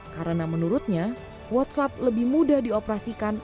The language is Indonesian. karena menurutnya whatsapp lebih mudah dioperasikan